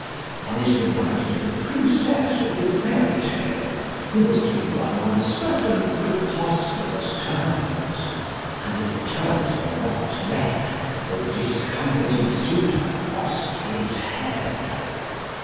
One is reminded of the princess of the fairy tale, who was to be won on certain preposterous terms, and if the terms were not met, the discomfited suitor lost his head.